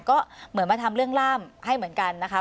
ก็เหมือนมาทำเรื่องล่ามให้เหมือนกันนะคะ